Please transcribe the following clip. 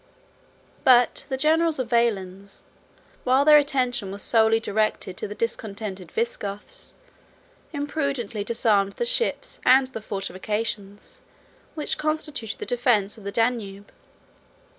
But the generals of Valens, while their attention was solely directed to the discontented Visigoths, imprudently disarmed the ships and the fortifications which constituted the defence of the Danube.